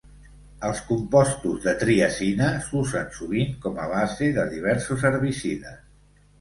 Els compostos de triazina s'usen sovint com a base de diversos herbicides.